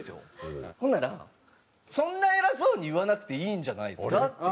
ほんなら「そんな偉そうに言わなくていいんじゃないですか」って